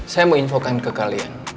saya mau infokan ke kalian